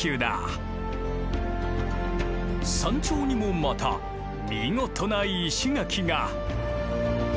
山頂にもまた見事な石垣が。